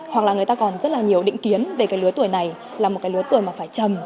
hoặc là người ta còn rất là nhiều định kiến về cái lứa tuổi này là một cái lứa tuổi mà phải trầm